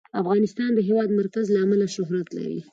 افغانستان د د هېواد مرکز له امله شهرت لري.